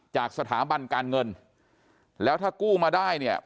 จากสถาบันการเงินแล้วถ้ากู้มาได้เนี่ย